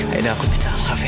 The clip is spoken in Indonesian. aida aku tidak alah faye